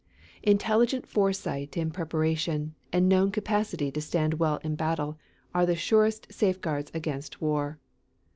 Intelligent foresight in preparation and known capacity to stand well in battle are the surest safeguards against war.